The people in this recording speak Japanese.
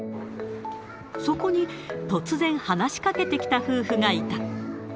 そこに突然、話しかけてきた夫婦がいた。